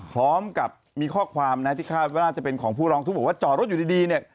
พร้อมกับมีข้อความนะที่คาดว่าน่าจะเป็นของผู้ร้องทุกข์บอกว่าจอดรถอยู่ดีเนี่ย